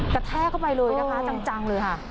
แทกเข้าไปเลยนะคะจังเลยค่ะ